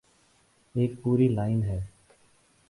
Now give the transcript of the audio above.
ایک پوری لائن ہے۔